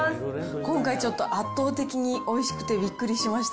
今回ちょっと、圧倒的においしくてびっくりしました。